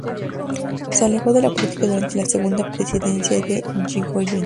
Se alejó de la política durante la segunda presidencia de Yrigoyen.